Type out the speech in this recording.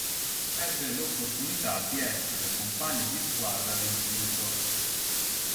Ebbe l'opportunità di essere compagno di squadra di Zico.